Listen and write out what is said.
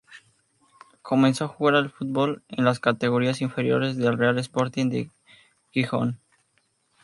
Comenzó a jugar al fútbol en las categorías inferiores del Real Sporting de Gijón.